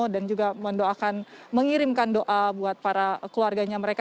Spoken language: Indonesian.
dan juga mendoakan mengirimkan doa buat para keluarganya mereka